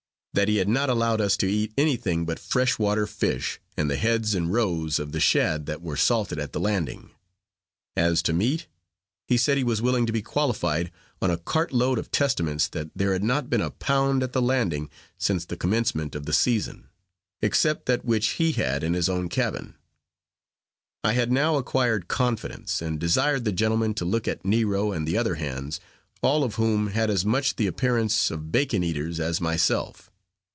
That he had not allowed us to eat anything but fresh water fish, and the heads and roes of the shad that were salted at the landing. As to meat, he said he was willing to be qualified on a cart load of Testaments that there had not been a pound at the landing since the commencement of the season, except that which he had in his own cabin. I had now acquired confidence, and desired the gentlemen to look at Nero and the other hands, all of whom has as much the appearance of bacon eaters as myself.